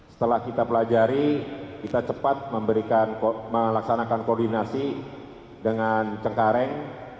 setelah kita pelajari kita cepat melaksanakan koordinasi dengan cengkareng